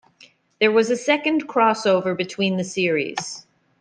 There was a second "crossover" between the series.